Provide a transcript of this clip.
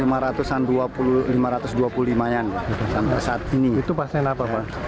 itu pasien apa pak